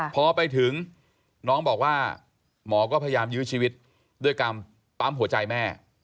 พอไปถึงน้องบอกว่าหมอก็พยายามยื้อชีวิตด้วยการปั๊มหัวใจแม่